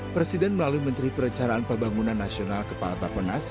presiden melalui menteri perencanaan pembangunan nasional kepala bapak penas